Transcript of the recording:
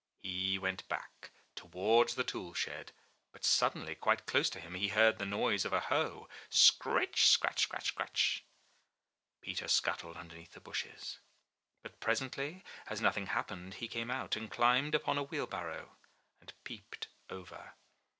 He went back towards the tool shed, but suddenly, quite close to him, he heard the noise of a hoe — sc r ritch, scratch, scratch, scritch. Peter scuttled underneath the bushes. But presently as nothing happened, he came out, and climbed upon a wheel barrow, and peeped over.